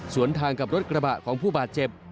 ส่วนทางกับรถกระบะของผู้บาดเจ็บ